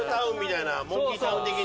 モンキータウン的に。